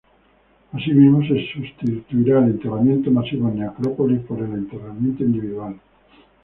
Así mismo, se sustituirá el enterramiento masivo en necrópolis por el enterramiento individual.